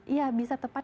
iya bisa tepat